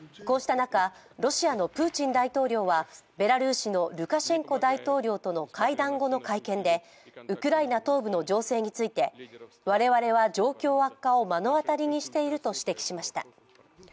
こうした中、ロシアのプーチン大統領はベラルーシのルカシェンコ大統領との会談後の会見でウクライナ東部の情勢について我々は状況悪化を目の当たりにしていると指摘しました。